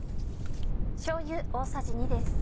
しょうゆ大さじ２です。